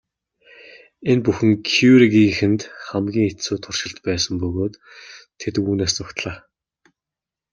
Энэ бүхэн Кюрегийнхэнд хамгийн хэцүү туршилт байсан бөгөөд тэд үүнээс зугтлаа.